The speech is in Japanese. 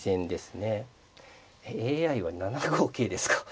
ＡＩは７五桂ですか。